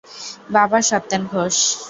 বাবা সত্যেন ঘোষ।